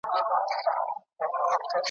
چي شرنګوي په خپله مېنه کي پردۍ زولنې ,